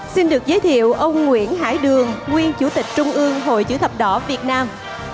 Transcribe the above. xin được giới thiệu ông nguyễn hải đường nguyên chủ tịch trung ương hội chữ thập đỏ việt nam